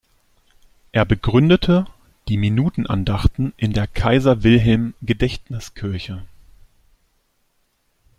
Er begründete die Minuten-Andachten in der Kaiser-Wilhelm-Gedächtniskirche.